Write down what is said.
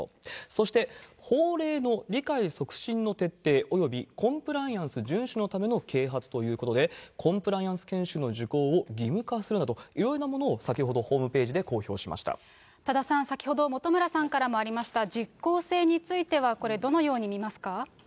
そして、法令の理解促進の徹底およびコンプライアンス順守のための啓発ということで、コンプライアンス研修の受講を義務化するなど、いろいろなものを先ほどホームページで多田さん、先ほど本村さんからもありました、実効性についてはこれ、どのように見ますか。